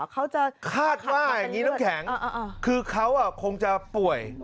เขาจะคาดว่าอย่างนี้น้ำแข็งคือเขาคงจะป่วย